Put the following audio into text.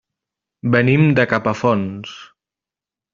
Venim de Capafonts.